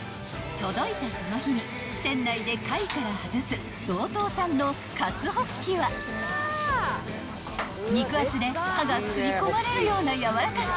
［届いたその日に店内で貝から外す道東産の活ほっきは肉厚で歯が吸い込まれるような柔らかさ］